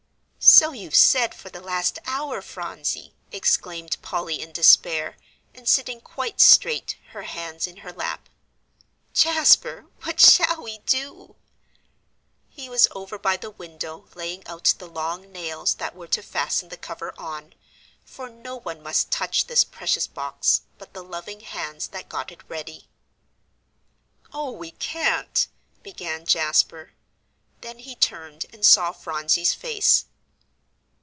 "So you've said for the last hour, Phronsie," exclaimed Polly, in despair, and sitting quite straight, her hands in her lap. "Jasper, what shall we do?" He was over by the window laying out the long nails that were to fasten the cover on; for no one must touch this precious box, but the loving hands that got it ready. "Oh, we can't," began Jasper. Then he turned and saw Phronsie's face.